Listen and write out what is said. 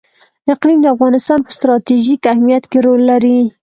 اقلیم د افغانستان په ستراتیژیک اهمیت کې رول لري.